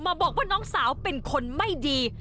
บอกว่าน้องสาวเป็นคนไม่ดี